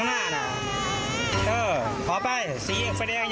เอ้าสุถอยไปเลย